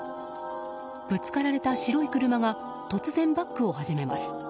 ぶつかられた白い車が突然バックを始めます。